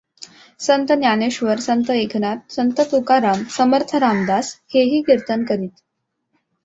संत ज्ञानेश्वर, संत एकनाथ, संत तुकाराम, समर्थ रामदास हेही कीर्तन करीत.